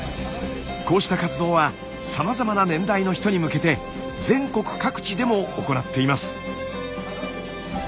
こうした活動はさまざまな年代の人に向けて全国各地でも行っています。